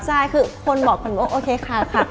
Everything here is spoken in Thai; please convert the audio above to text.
ใช่คือคนบอกเป็นโอเคค่ะค่ะ